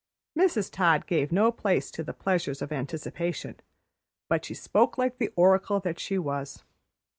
Mrs. Todd gave no place to the pleasures of anticipation, but she spoke like the oracle that she was.